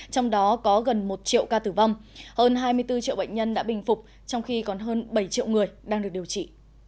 trong đó có gần một triệu ca tử vong hơn hai mươi bốn triệu bệnh nhân đã bình phục trong khi còn hơn bảy triệu người đang được điều trị